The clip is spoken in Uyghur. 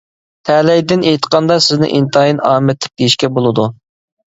تەلەيدىن ئېيتقاندا، سىزنى ئىنتايىن ئامەتلىك دېيىشكە بولىدۇ.